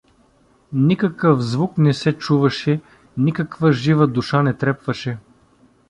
Никакъв звук не се чуваше, никаква жива душа не трепваше.